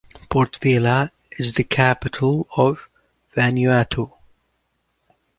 Port Vila is the capital of Vanuatu.